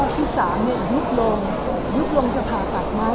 ที่สามเนี่ยยุบลงยุบลงจะผ่าตัดไหม